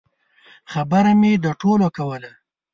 خبره مې د ټوکو کوله.